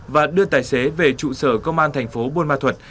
và đưa tài xế về trụ sở công an thành phố buôn ma thuật